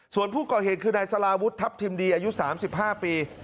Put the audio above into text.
ส่วนผู้ก่อเหตุคือนายสาราวุฒิทัพทิมดีอายุ๓๕ปี